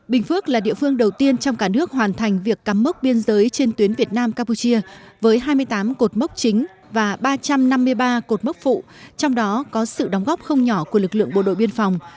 bình phước là địa phương đầu tiên trong cả nước hoàn thành việc cắm mốc biên giới trên tuyến việt nam campuchia với hai mươi tám cột mốc chính và ba trăm năm mươi ba cột mốc phụ trong đó có sự đóng góp không nhỏ của lực lượng bộ đội biên phòng